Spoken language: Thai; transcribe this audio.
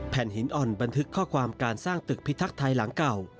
หินอ่อนบันทึกข้อความการสร้างตึกพิทักษ์ไทยหลังเก่า